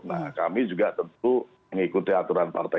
nah kami juga tentu mengikuti aturan partai